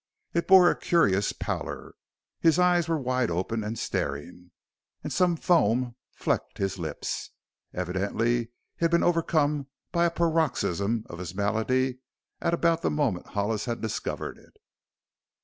It bore a curious pallor, his eyes were wide open and staring, and some foam flecked his lips. Evidently he had been overcome by a paroxysm of his malady at about the moment Hollis had discovered it.